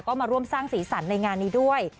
ก็มาร่วมสร้างสีสันในงานนี้ด้วย